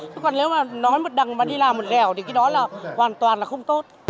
chứ còn nếu mà nói một đằng mà đi làm một lẻo thì cái đó là hoàn toàn là không tốt